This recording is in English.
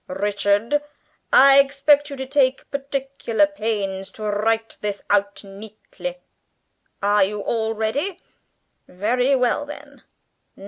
Richard, I expect you to take particular pains to write this out neatly. Are you all ready? Very well then